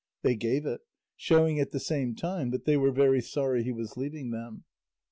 They gave it, showing at the same time that they were very sorry he was leaving them.